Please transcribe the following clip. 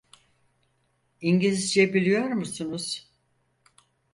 İngilizce biliyor musunuz?